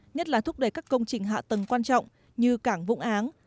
nhất là thúc đẩy các công trình hạ tầng quan trọng như cảng vũng áng